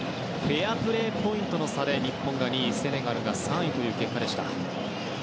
フェアプレーポイントの差で日本が２位セネガル３位という結果でした。